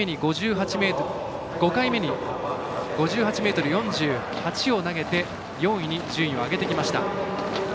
５回目に５８ｍ４８を投げて４位に順位を上げてきました。